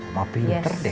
opa pinter deh